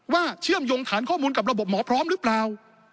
เชื่อมโยงฐานข้อมูลกับระบบหมอพร้อมหรือเปล่า